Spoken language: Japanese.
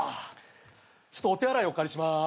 ちょっとお手洗いお借りします。